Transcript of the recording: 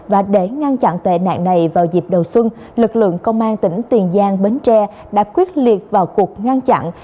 và để ngăn chặn tệ nạn này vào dịp đầu xuân lực lượng công an tỉnh tiền giang bến tre đã quyết liệt vào cuộc ngăn chặn